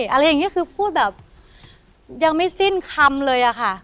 อะไรอย่างนี้คือพูดแบบยังไม่สิ้นคำเลยอะค่ะ